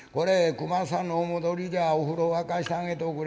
熊さんのお戻りじゃお風呂沸かしたげとくれ。